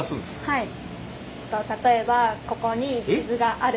はい？